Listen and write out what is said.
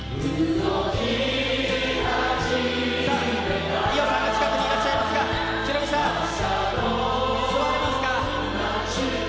さあ、伊代さんが近くにいらっしゃいますが、ヒロミさん、座れますか？